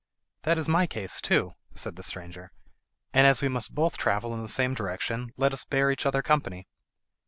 "That is my case too," said the stranger, "and, as we must both travel in the same direction, let us bear each other company."